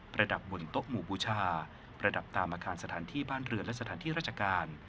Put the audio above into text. ระดับบนโต๊ะหมู่บูชาประดับตามอาคารสถานที่บ้านเรือนและสถานที่ราชการ